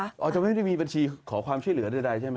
อาจจะไม่มีบัญชีขอความช่วยเหลือเท่าไหร่